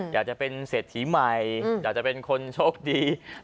อยากจะเป็นเศรษฐีใหม่อยากจะเป็นคนโชคดี